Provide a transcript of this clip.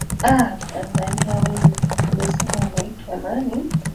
a mtanzania wewe umesema unaitwa nani